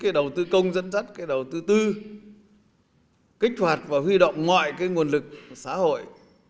cái đầu tư công dẫn dắt cái đầu tư tư kích hoạt và huy động ngoại cái nguồn lực xã hội